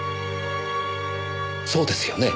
そうですよね？